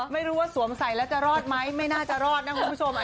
ไม่รู้ว่าสวมใส่แล้วจะรอดไหมไม่น่าจะรอดนะคุณผู้ชม